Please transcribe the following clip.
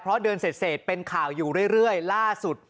เพราะเดือนเสร็จเป็นข่าวอยู่เรื่อยล่าสุด